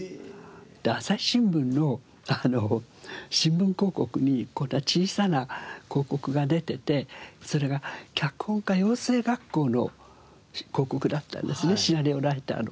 で朝日新聞の新聞広告にこんな小さな広告が出ててそれが脚本家養成学校の広告だったんですね。シナリオライターの。